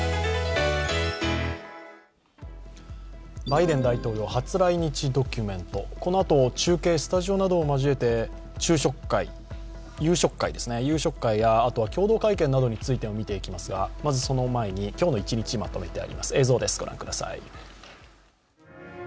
バイデン大統領、初来日ドキュメント、このあと、中継スタジオなどを交えて、夕食会やあとは共同会見などについても見ていきますが、まずその前に今日の一日をまとめたります。